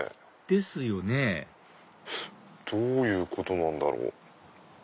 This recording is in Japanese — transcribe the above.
ですよねどういうことなんだろう。